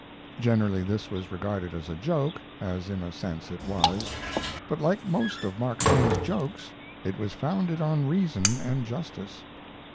Generally this was regarded as a joke, as in a sense it was; but like most of Mark Twain's jokes it was founded on reason and justice.